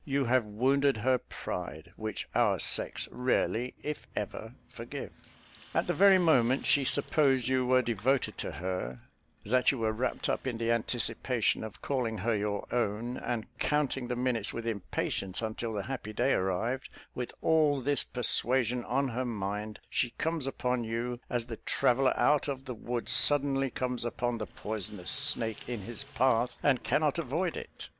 You have wounded her pride, which our sex rarely, if ever, forgive. At the very moment she supposed you were devoted to her that you were wrapped up in the anticipation of calling her your own, and counting the minutes with impatience until the happy day arrived; with all this persuasion on her mind, she comes upon you, as the traveller out of the wood suddenly comes upon the poisonous snake in his path, and cannot avoid it.